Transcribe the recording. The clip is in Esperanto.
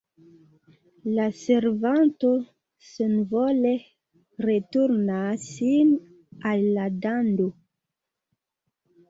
La servanto senvole returnas sin al la dando.